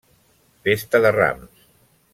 Festa de rams.